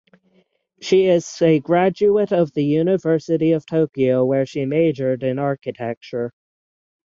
She is a graduate of the University of Tokyo where she majored in architecture.